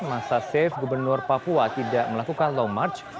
masa csafe gubernur papua tidak melakukan low march